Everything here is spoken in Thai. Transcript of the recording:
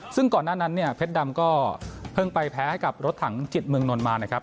ซึ่งก่อนหน้านั้นเนี่ยเพชรดำก็เพิ่งไปแพ้ให้กับรถถังจิตเมืองนนท์มานะครับ